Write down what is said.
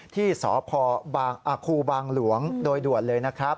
ที่สพครูบางหลวงโดยด่วนเลยนะครับ